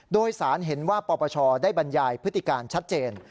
โดยสารเห็นว่าปปชได้บรรยายพฤติการชัดเจน